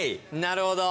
なるほど。